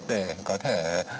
để có thể